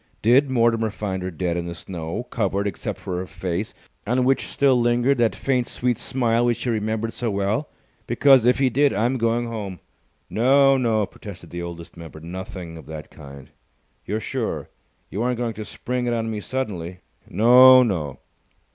Did Mortimer find her dead in the snow, covered except for her face, on which still lingered that faint, sweet smile which he remembered so well? Because, if he did, I'm going home." "No, no," protested the Oldest Member. "Nothing of that kind." "You're sure? You aren't going to spring it on me suddenly?" "No, no!"